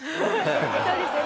そうですよね。